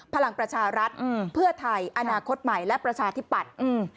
พลังประชารัฐเพื่อไทยอนาคตใหม่และประชาธิปัตย์